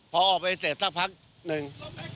พอออกไปเสร็จสักพักหนึ่ง